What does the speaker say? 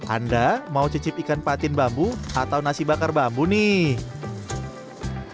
anda mau cicip ikan patin bambu atau nasi bakar bambu nih